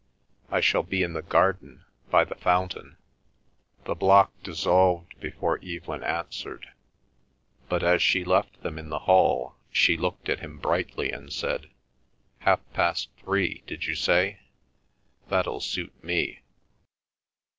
I shall be in the garden, by the fountain." The block dissolved before Evelyn answered. But as she left them in the hall, she looked at him brightly and said, "Half past three, did you say? That'll suit me."